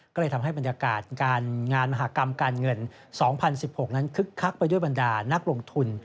ก็เลยทำให้บรรยากาศการงานมหากรรมการเงิน๒๐๑๖นั้นคึกคักไปด้วยบรรดานักลงทุน